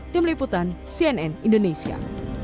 tim liputan cnn indonesia